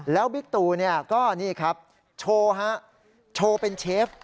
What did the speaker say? แล้วบิ๊กตูก็นี่ครับโชว์ฮะโชว์เป็นเชฟ